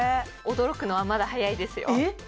驚くのはまだ早いですよえ？